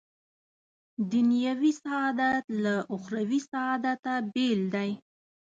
دنیوي سعادت له اخروي سعادته بېل دی.